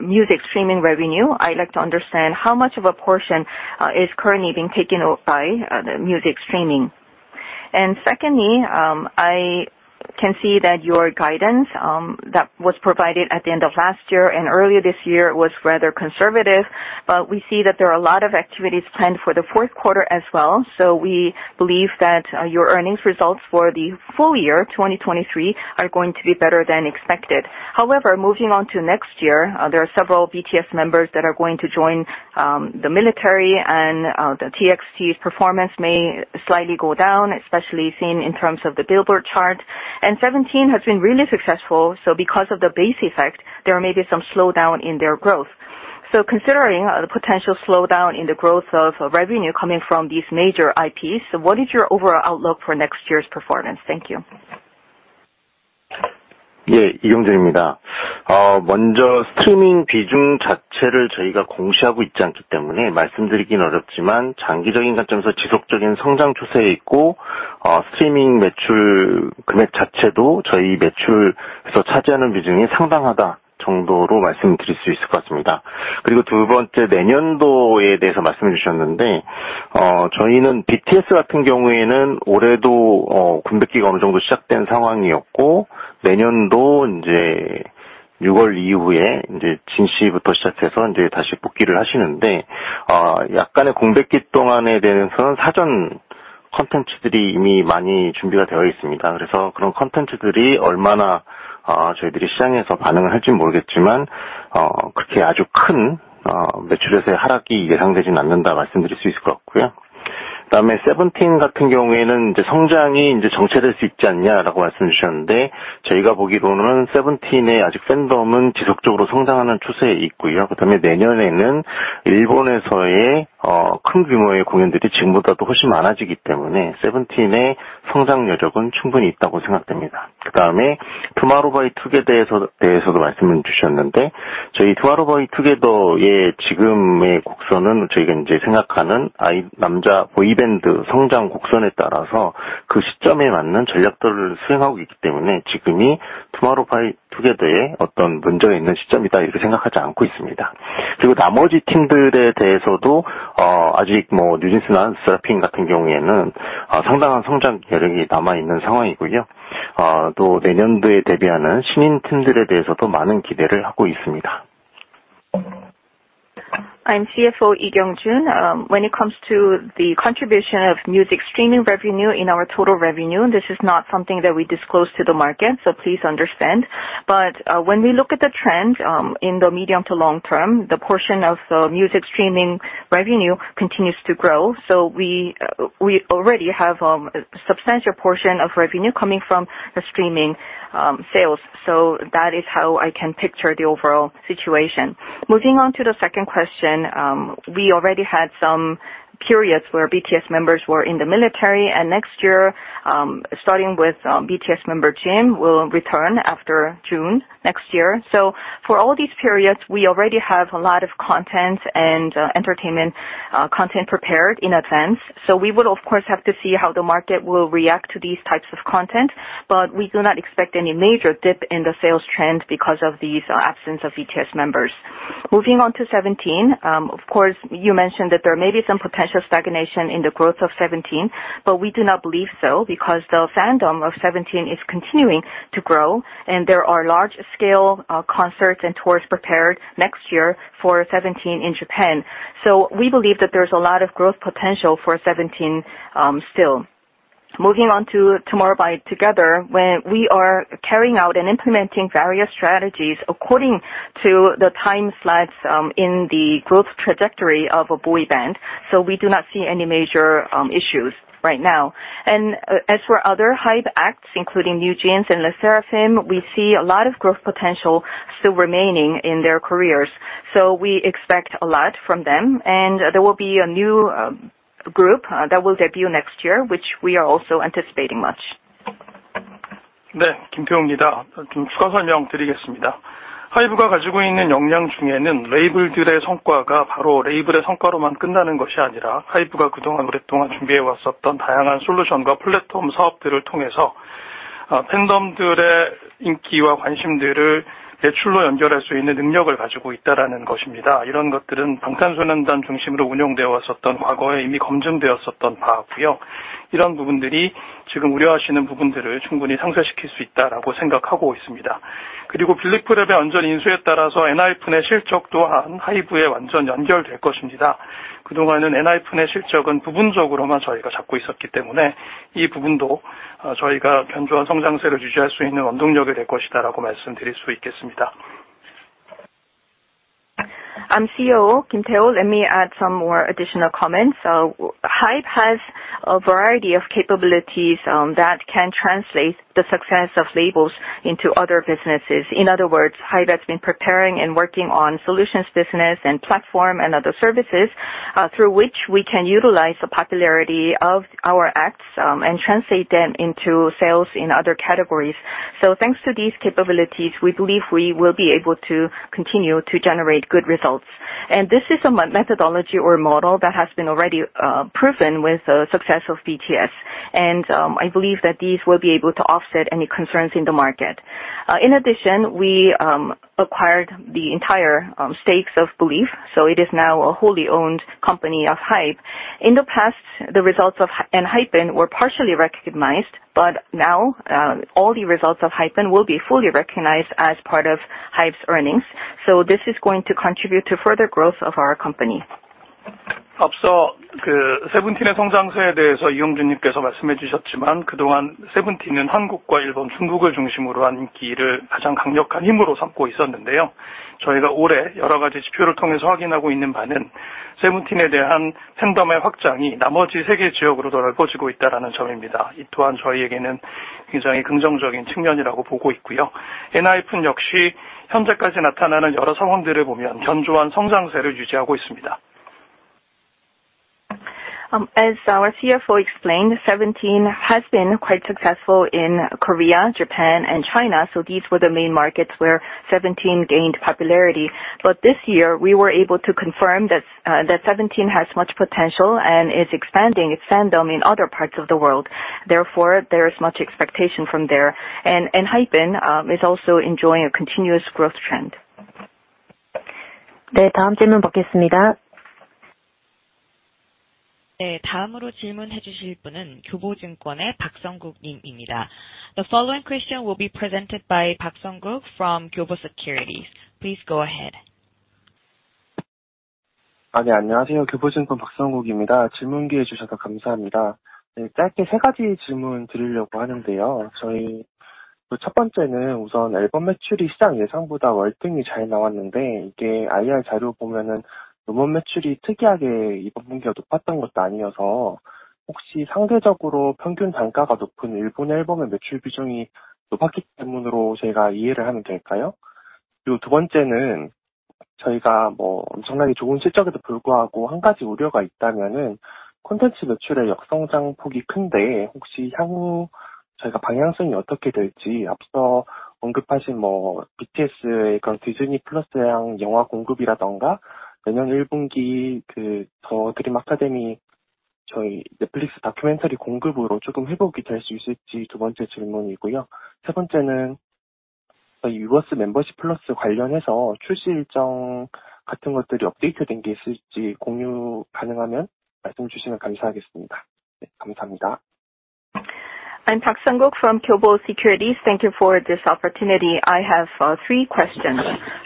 music streaming revenue, I'd like to understand how much of a portion is currently being taken by the music streaming. Secondly, I can see that your guidance that was provided at the end of last year and earlier this year was rather conservative. But we see that there are a lot of activities planned for the fourth quarter as well. So we believe that your earnings results for the full year 2023 are going to be better than expected. However, moving on to next year, there are several BTS members that are going to join the military, and the TXT's performance may slightly go down, especially seen in terms of the Billboard chart. Seventeen has been really successful. So because of the base effect, there may be some slowdown in their growth. So considering the potential slowdown in the growth of revenue coming from these major IPs, what is your overall outlook for next year's performance? Thank you. 예, 이경준입니다. 먼저 스트리밍 비중 자체를 저희가 공시하고 있지 않기 때문에 말씀드리긴 어렵지만, 장기적인 관점에서 지속적인 성장 추세에 있고, 스트리밍 매출 금액 자체도 저희 매출에서 차지하는 비중이 상당하다 정도로 말씀드릴 수 있을 것 같습니다. 그리고 두 번째, 내년도에 대해서 말씀해 주셨는데, 저희는 BTS 같은 경우에는 올해도 군백기가 어느 정도 시작된 상황이었고, 내년도 이제 6월 이후에 이제 진 씨부터 시작해서 이제 다시 복귀를 하시는데, 약간의 공백기 동안에 대해서는 사전 콘텐츠들이 이미 많이 준비가 되어 있습니다. 그래서 그런 콘텐츠들이 얼마나 저희들이 시장에서 반응을 할지는 모르겠지만, 그렇게 아주 큰 매출에서의 하락이 예상되진 않는다 말씀드릴 수 있을 것 같고요. 그다음에 세븐틴 같은 경우에는 이제 성장이 이제 정체될 수 있지 않냐라고 말씀해 주셨는데, 저희가 보기로는 세븐틴의 아직 팬덤은 지속적으로 성장하는 추세에 있고요. 그다음에 내년에는 일본에서의 큰 규모의 공연들이 지금보다도 훨씬 많아지기 때문에 세븐틴의 성장 여력은 충분히 있다고 생각됩니다. 그다음에 투모로우바이투게더에 대해서도 말씀을 주셨는데, 저희 투모로우바이투게더의 지금의 곡선은 저희가 이제 생각하는 남자 보이밴드 성장 곡선에 따라서 그 시점에 맞는 전략들을 수행하고 있기 때문에, 지금이 투모로우바이투게더의 어떤 문제가 있는 시점이다, 이렇게 생각하지 않고 있습니다. 그리고 나머지 팀들에 대해서도 아직 뉴진스나 르세라핌 같은 경우에는 상당한 성장 여력이 남아있는 상황이고요. 또 내년도에 데뷔하는 신인 팀들에 대해서도 많은 기대를 하고 있습니다. I'm CFO, Lee Kyung Jun. When it comes to the contribution of music streaming revenue in our total revenue, this is not something that we disclose to the market, so please understand. But when we look at the trend, in the medium to long term, the portion of the music streaming revenue continues to grow. So we already have a substantial portion of revenue coming from the streaming sales. So that is how I can picture the overall situation. Moving on to the second question. We already had some periods where BTS members were in the military, and next year, starting with BTS member Jimin will return after June next year. So for all these periods, we already have a lot of content and entertainment content prepared in advance. So we would of course, have to see how the market will react to these types of content. But we do not expect any major dip in the sales trend because of these absence of BTS members. Moving on to Seventeen. Of course, you mentioned that there may be some potential stagnation in the growth of Seventeen, but we do not believe so, because the fandom of Seventeen is continuing to grow and there are large scale concerts and tours prepared next year for Seventeen in Japan. So we believe that there's a lot of growth potential for Seventeen still. Moving on to Tomorrow By Together, when we are carrying out and implementing various strategies according to the time slides, in the growth trajectory of a boy band, so we do not see any major issues right now. And as for other HYBE acts including NewJeans and LE SSERAFIM, we see a lot of growth potential still remaining in their careers, so we expect a lot from them. And there will be a new group that will debut next year, which we are also anticipating much. I'm CEO Kim Tae Ho. Let me add some more additional comments. So HYBE has a variety of capabilities that can translate the success of labels into other businesses. In other words, HYBE has been preparing and working on solutions business and platform and other services, through which we can utilize the popularity of our acts, and translate them into sales in other categories. So thanks to these capabilities, we believe we will be able to continue to generate good results. And this is a methodology or model that has been already proven with the success of BTS. And I believe that these will be able to offset any concerns in the market. In addition, we acquired the entire stakes of Belift, so it is now a wholly owned company of HYBE. In the past, the results of ENHYPEN were partially recognized, but now, all the results of ENHYPEN will be fully recognized as part of HYBE's earnings, so this is going to contribute to further growth of our company. As our CFO explained, Seventeen has been quite successful in Korea, Japan and China, so these were the main markets where Seventeen gained popularity. But this year we were able to confirm that Seventeen has much potential and is expanding its fandom in other parts of the world. Therefore, there is much expectation from there, and ENHYPEN is also enjoying a continuous growth trend. The following question will be presented by Park Sung Kook from Kyobo Securities. Please go ahead. Hello. I'm Tak Sangok from Kyobo Securities. Thank you for this opportunity. I have three questions.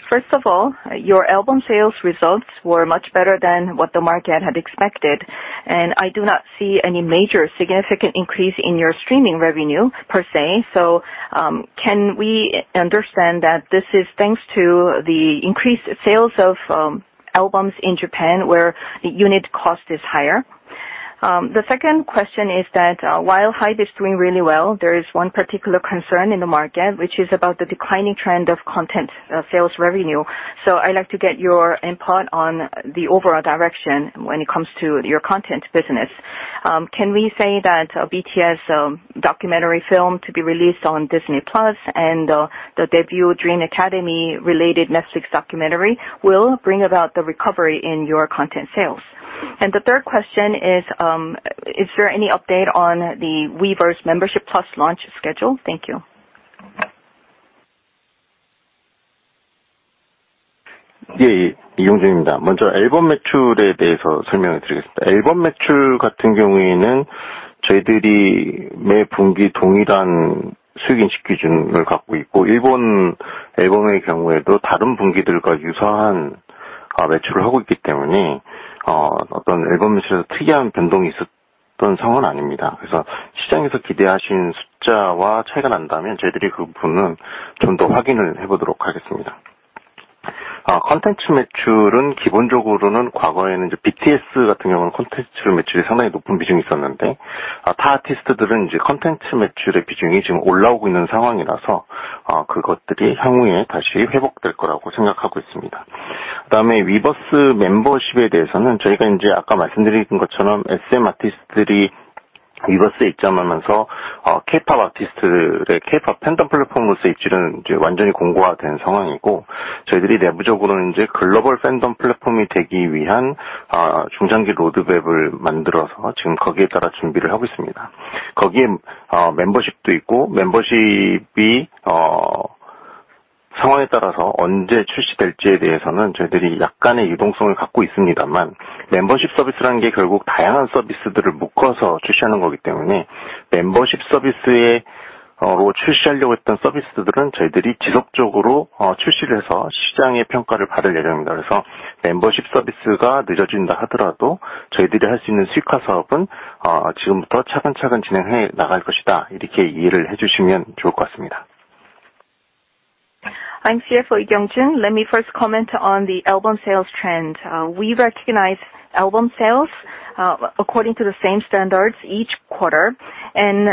First of all, your album sales results were much better than what the market had expected, and I do not see any major significant increase in your streaming revenue per se. So can we understand that this is thanks to the increased sales of albums in Japan, where the unit cost is higher? The second question is that while HYBE is doing really well, there is one particular concern in the market, which is about the declining trend of content sales revenue. So I'd like to get your input on the overall direction when it comes to your content business. Can we say that a BTS documentary film to be released on Disney Plus and the debut Dream Academy related Netflix documentary will bring about the recovery in your content sales? And the third question is, is there any update on the Weverse Membership Plus launch schedule? Thank you. Yeah, Lee Kyung Jun. I'm CFO Lee Kyung Jun. Let me first comment on the album sales trend. We recognize album sales according to the same standards each quarter, and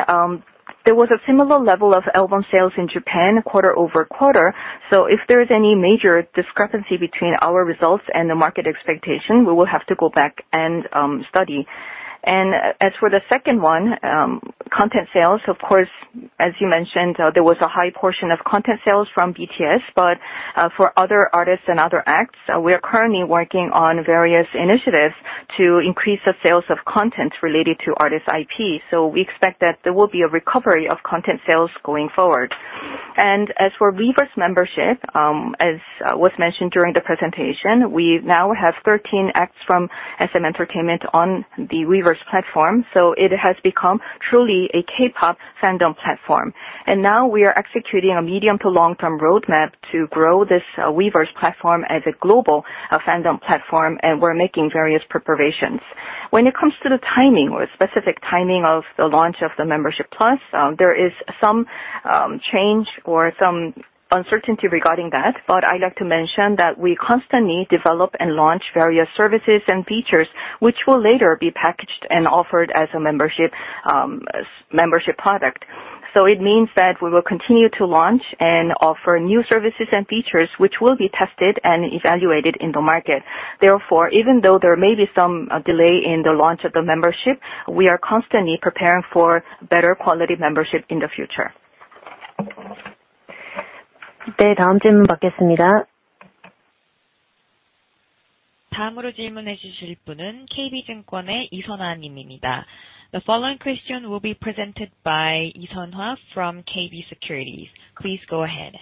there was a similar level of album sales in Japan quarter over quarter. So if there is any major discrepancy between our results and the market expectation, we will have to go back and study. As for the second one, content sales, of course, as you mentioned, there was a high portion of content sales from BTS. But for other artists and other acts, we are currently working on various initiatives to increase the sales of content related to artist IP. So we expect that there will be a recovery of content sales going forward. As for Weverse membership, as was mentioned during the presentation, we now have thirteen acts from SM Entertainment on the Weverse platform, so it has become truly a K-pop fandom platform. Now we are executing a medium to long-term roadmap to grow this Weverse platform as a global fandom platform, and we're making various preparations. When it comes to the timing or specific timing of the launch of the Membership Plus, there is some change or some uncertainty regarding that, but I'd like to mention that we constantly develop and launch various services and features, which will later be packaged and offered as a membership product. So it means that we will continue to launch and offer new services and features, which will be tested and evaluated in the market. Therefore, even though there may be some delay in the launch of the membership, we are constantly preparing for better quality membership in the future. The following question will be presented by Isona from KB Securities. Please go ahead.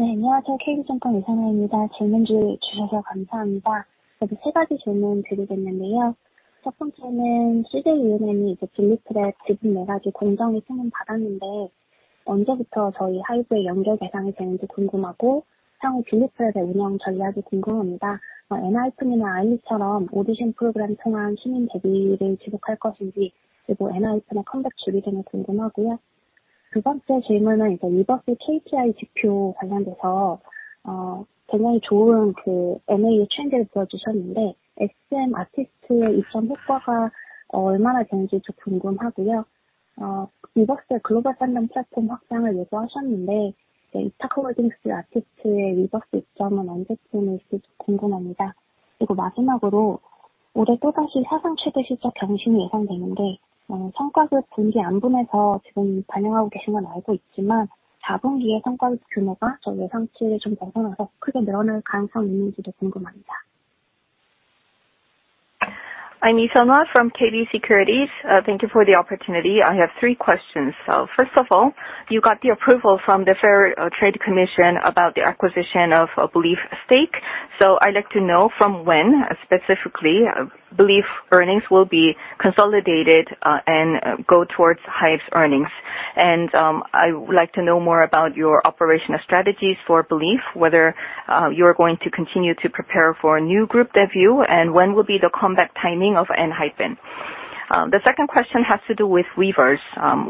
네, 안녕하세요, KB증권 Isona입니다. 질문 기회 주셔서 감사합니다. 저도 세 가지 질문 드리겠는데요. 첫 번째는 CJ ENM이 이제 빌리프랩 지분 네 가지 공정위 승인 받았는데, 언제부터 저희 하이브에 연결 대상이 되는지 궁금하고, 향후 빌리프랩의 운영 전략이 궁금합니다. ENHYPEN이나 아이니처럼 오디션 프로그램을 통한 신인 데뷔를 지속할 것인지, 그리고 ENHYPEN 컴백 계획도 궁금하고요. 두 번째 질문은 이제 Weverse KPI 지표 관련돼서, 굉장히 좋은 그 MAU의 트렌드를 보여주셨는데, SM 아티스트의 입점 효과가 얼마나 되는지 좀 궁금하고요. Weverse 글로벌 팬덤 플랫폼 확장을 예고하셨는데, 이제 이타카 홀딩스 아티스트의 Weverse 입점은 언제쯤일지 궁금합니다. 그리고 마지막으로, 올해 또 다시 사상 최대 실적 경신이 예상되는데, 성과급 분기 안분해서 지금 반영하고 계신 건 알고 있지만, 자본기의 성과급 규모가 저희 예상치를 좀 넘어서 크게 늘어날 가능성이 있는지도 궁금합니다. I'm Isona from KB Securities. Thank you for the opportunity. I have three questions. First of all, you got the approval from the Fair Trade Commission about the acquisition of a Belief stake. I'd like to know from when, specifically, Belief earnings will be consolidated and go towards Hybe's earnings. I would like to know more about your operational strategies for Belief, whether you're going to continue to prepare for a new group debut, and when will be the comeback timing of Enhypen. The second question has to do with Weverse.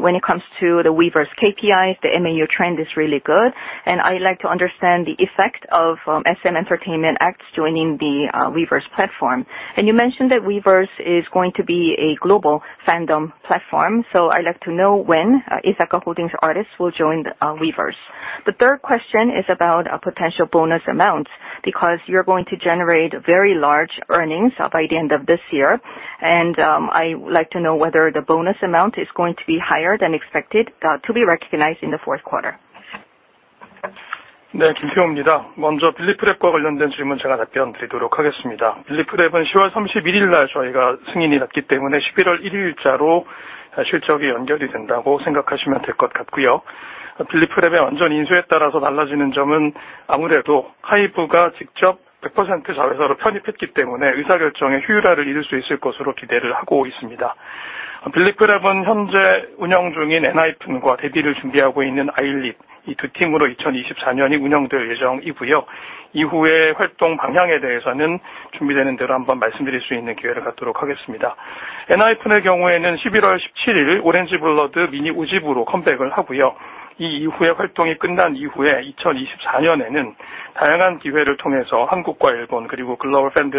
When it comes to the Weverse KPI, the MAU trend is really good, and I'd like to understand the effect of SM Entertainment acts joining the Weverse platform. You mentioned that Weverse is going to be a global fandom platform, so I'd like to know when Ithaca Holdings artists will join Weverse. The third question is about a potential bonus amount, because you're going to generate very large earnings by the end of this year. I would like to know whether the bonus amount is going to be higher than expected to be recognized in the fourth quarter. Now, Kim Tae-Ho. First, I will answer the question related to Belief Lab. We got the approval from the government on October 31st, so the consolidation timing will be November 1st. And as we now have Belief Lab as a wholly owned subsidiary, we expect that there will be more efficiency in the decision making process. Belief Lab will start the year 2024 with two teams, Enhypen and Illit, which will debut soon, and we will continue to develop strategies going forward. As for Enhypen, they will make a comeback on November 17th, with Orange Blood, mini fifth album. In 2024, they're going to carry out various projects in Japan, Korea, and around the world to meet with fans.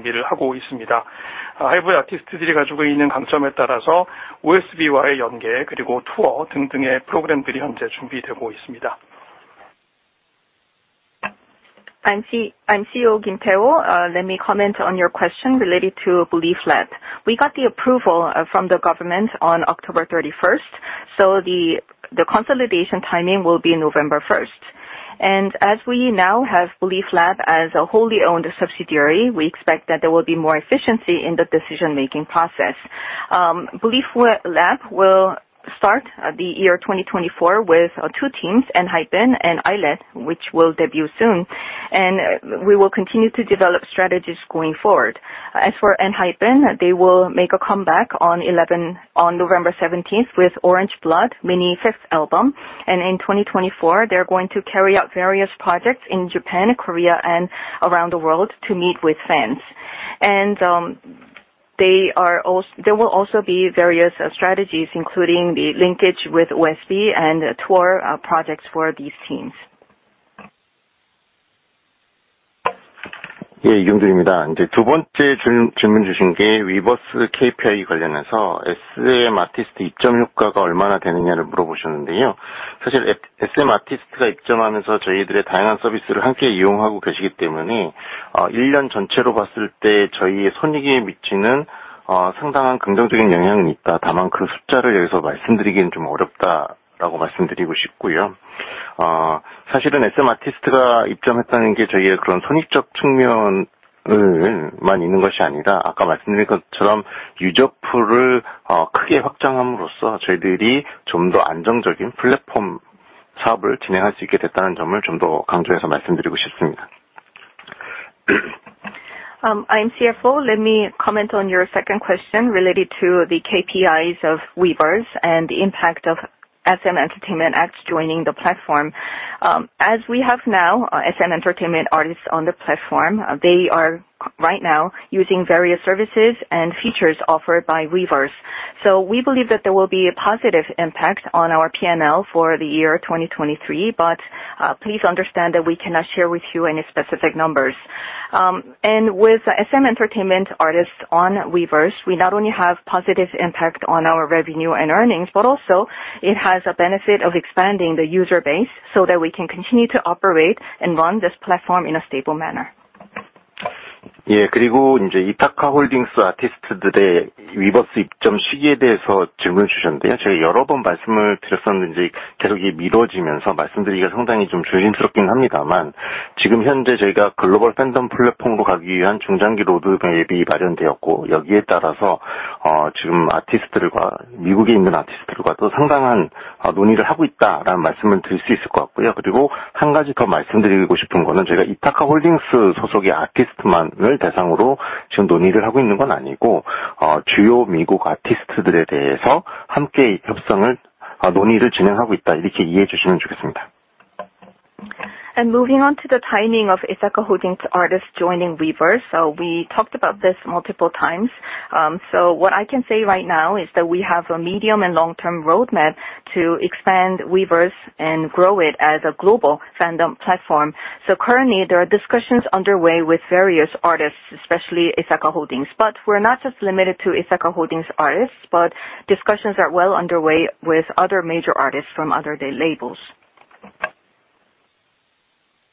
There will also be various strategies, including the linkage with OSB and tour projects for these teams. I'm CEO Kim Tae-Ho. Let me comment on your question related to Belief Lab. We got the approval from the government on October 31st, so the consolidation timing will be November 1st, and as we now have Belief Lab as a wholly owned subsidiary, we expect that there will be more efficiency in the decision making process. Belief Lab will start the year 2024 with two teams, Enhypen and Illit, which will debut soon, and we will continue to develop strategies going forward. As for Enhypen, they will make a comeback on November 17th, with Orange Blood, mini fifth album. In 2024, they're going to carry out various projects in Japan, Korea, and around the world to meet with fans. There will also be various strategies, including the linkage with OSB and tour projects for these teams. Yeah, Lee Yong-joon. So the second question you asked was about the Weverse KPI, and you asked how much the effect of the SM artist entry is. In fact, as the SM artist joins and uses our various services together, when looked at as a whole year, there is a significant positive impact on our profit. However, it is difficult to say that number here. In fact, the entry of the SM artist not only has that profitable aspect, but as I said earlier, by greatly expanding the user pool, I would like to emphasize that we have been able to operate a more stable platform business. I'm CFO. Let me comment on your second question related to the KPIs of Weverse and the impact of SM Entertainment acts joining the platform. As we have now SM Entertainment artists on the platform, they are right now using various services and features offered by Weverse. So we believe that there will be a positive impact on our P&L for the year 2023, but please understand that we cannot share with you any specific numbers. And with SM Entertainment artists on Weverse, we not only have positive impact on our revenue and earnings, but also it has a benefit of expanding the user base so that we can continue to operate and run this platform in a stable manner. Yeah,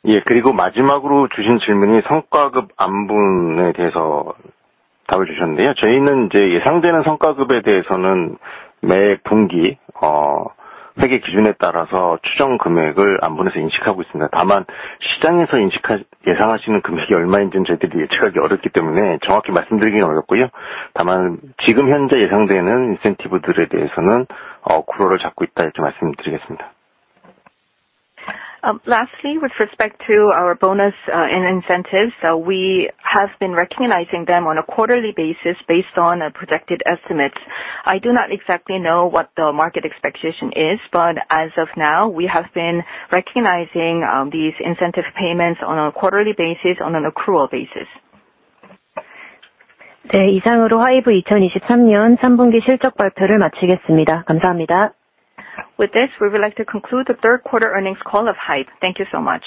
Yeah, and the last question you asked was about the bonus amount. We are recognizing the expected bonus on a quarterly basis based on the estimated amount for each quarter. However, it is difficult to predict exactly how much the market expects, so it is difficult to say exactly. However, we are currently recognizing the expected incentives on an accrual basis. Lastly, with respect to our bonus and incentives, we have been recognizing them on a quarterly basis based on projected estimates. I do not exactly know what the market expectation is, but as of now, we have been recognizing these incentive payments on a quarterly basis, on an accrual basis. Yeah. With this, we would like to conclude the third quarter earnings call of HYBE. Thank you so much!